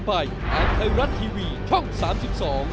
โปรดติดตามตอนต่อไป